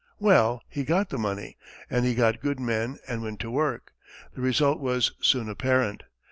Well, he got the money and he got good men and went to work. The result was soon apparent.